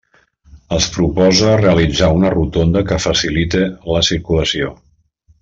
Es proposa realitzar una rotonda que facilite la circulació.